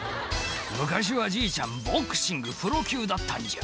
「昔はじいちゃんボクシングプロ級だったんじゃ」